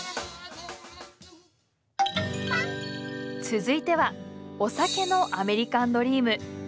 続いてはお酒のアメリカンドリーム。